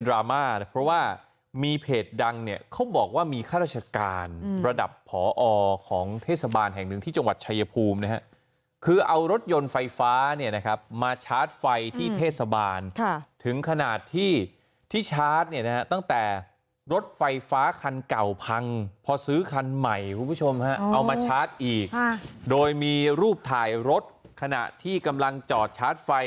รามาเพราะว่ามีเพจดังเนี่ยเขาบอกว่ามีข้าราชการระดับผอของเทศบาลแห่งหนึ่งที่จังหวัดชายภูมินะฮะคือเอารถยนต์ไฟฟ้าเนี่ยนะครับมาชาร์จไฟที่เทศบาลถึงขนาดที่ที่ชาร์จเนี่ยนะฮะตั้งแต่รถไฟฟ้าคันเก่าพังพอซื้อคันใหม่คุณผู้ชมฮะเอามาชาร์จอีกโดยมีรูปถ่ายรถขณะที่กำลังจอดชาร์จไฟ